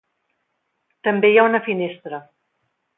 També hi ha una finestra.